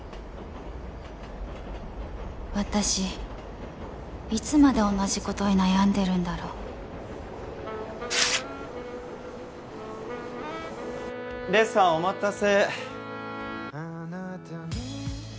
私いつまで同じことに悩んでるんだろ黎さんお待たせ黎？